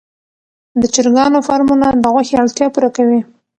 د چرګانو فارمونه د غوښې اړتیا پوره کوي.